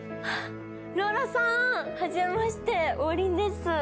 ローラさん、はじめまして、王林です。